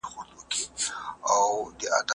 هغه ځوان چې رباب غږوي ډېر بااستعداده دی.